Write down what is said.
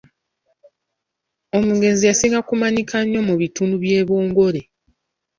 Omugenzi yasinga kumanyika nnyo mu bitundu by’e Bbongole.